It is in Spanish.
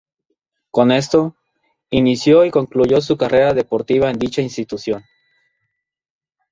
Con esto, inició y concluyó su carrera deportiva en dicha institución.